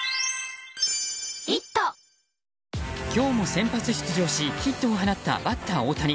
今日も先発出場しヒットを放ったバッター大谷。